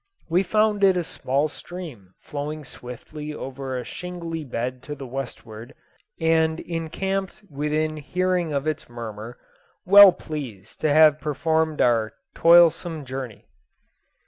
We found it a small stream flowing swiftly over a shingly bed to the westward, and encamped within hearing of its murmur, well pleased to have performed our toilsome journey.